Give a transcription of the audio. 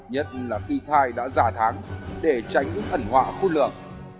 nhất là khi thai đã giả tháng để tránh ẩn họa khuôn lượng